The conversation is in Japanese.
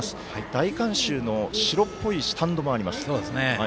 大観衆の白っぽいスタンドもあります。